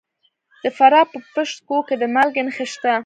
د فراه په پشت کوه کې د مالګې نښې شته.